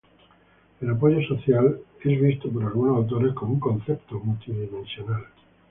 El apoyo social es visto por algunos autores como un concepto multidimensional.